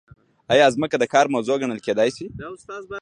ایا ځمکه د کار موضوع ګڼل کیدای شي؟